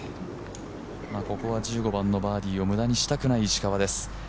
ここは１５番のバーディーを無駄にしたくない石川です。